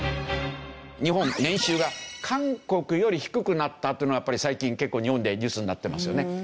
日本年収が韓国より低くなったっていうのはやっぱり最近結構日本でニュースになってますよね。